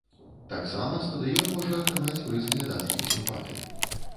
Таксама стадыён можа атрымаць прыз глядацкіх сімпатый.